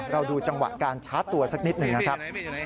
ดูจังหวะการชาร์จตัวสักนิดหนึ่งนะครับ